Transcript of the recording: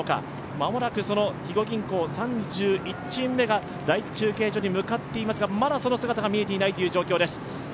間もなく、その肥後銀行３１チーム目が第１中継所に向かっていますがまだその姿が見えていないという状況です。